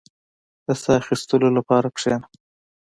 • د ساه اخيستلو لپاره کښېنه.